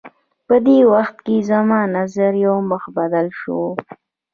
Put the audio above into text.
په دې وخت کې زما نظر یو مخ بدل شوی و.